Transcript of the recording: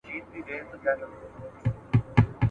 ستا په نوم به خیراتونه وېشل کېږي !.